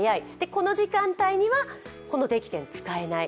この時間帯には、この定期券、使えない。